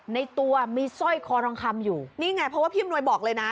ในตัวมีสร้อยคอทองคำอยู่นี่ไงเพราะว่าพี่อำนวยบอกเลยนะ